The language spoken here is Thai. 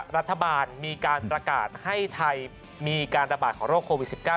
รัฐบาลมีการประกาศให้ไทยมีการระบาดของโรคโควิด๑๙